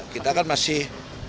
kita kan masih